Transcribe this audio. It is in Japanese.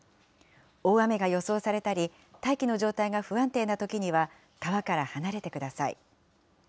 大雨が予想されたり、大気の状態が不安定なときには、川から離れてください。